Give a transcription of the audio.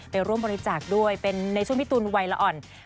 ร่วมบริจาคด้วยเป็นในช่วงพี่ตูนวัยละอ่อน